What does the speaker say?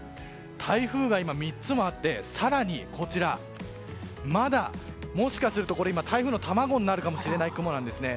台風が今、３つもあって更に、まだもしかすると台風の卵になるかもしれない雲があるんですね。